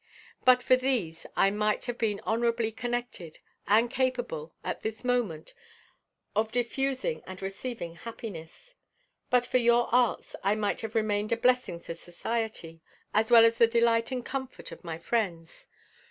But for these I might have been honorably connected, and capable, at this moment, of diffusing and receiving happiness. But for your arts I might have remained a blessing to society, as well as the delight and comfort of my friends.